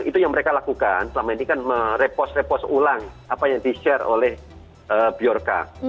itu yang mereka lakukan selama ini kan merepost repost ulang apa yang di share oleh bjorka